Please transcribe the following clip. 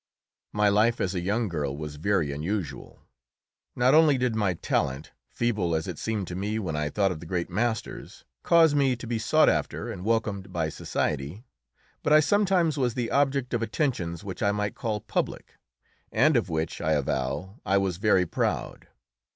My life as a young girl was very unusual. Not only did my talent feeble as it seemed to me when I thought of the great masters cause me to be sought after and welcomed by society, but I sometimes was the object of attentions which I might call public, and of which, I avow, I was very proud.